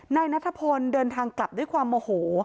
นายนัทพลเดินทางกลับด้วยความโมโห